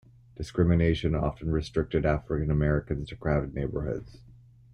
Discrimination often restricted African Americans to crowded neighborhoods.